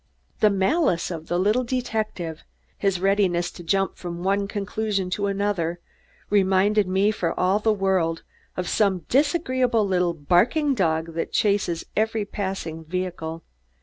The malice of the little detective, his readiness to jump from one conclusion to another, reminded me for all the world of some disagreeable, little, barking dog that chases every passing vehicle.